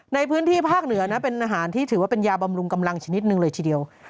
ในพื้นที่ภาคเหนือนะเป็นอาหารที่ถือว่าเป็นยาบำรุงกำลังชนิดหนึ่งเลยทีเดียว